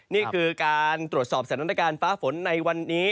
นี่คือการตรวจสอบสถานการณ์ฟ้าฝนในวันนี้